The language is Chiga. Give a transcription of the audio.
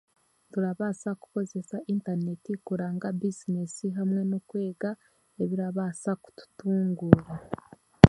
Turabaasa kukozesa intaneti kuranga bizinesi hamwe n'okwega ebirabaasa kututunguura.